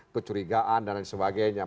kecurigaan dan lain sebagainya